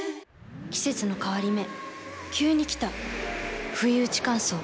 季節の変わり目急に来たふいうち乾燥。